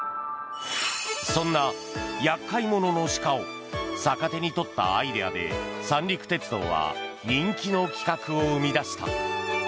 そんな厄介者の鹿を逆手に取ったアイデアで三陸鉄道は人気の企画を生み出した。